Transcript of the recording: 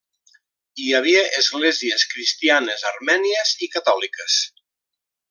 Hi havia esglésies cristianes armènies i catòliques.